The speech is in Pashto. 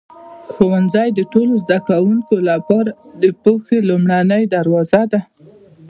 ښوونځی د ټولو زده کوونکو لپاره د پوهې لومړنی دروازه دی.